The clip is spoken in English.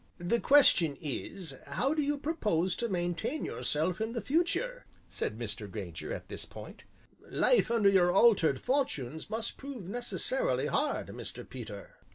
"The question is, how do you propose to maintain yourself in the future?" said Mr. Grainger at this point; "life under your altered fortunes must prove necessarily hard, Mr. Peter."